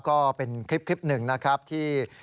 ก็เป็นคลิปหนึ่งนะครับที่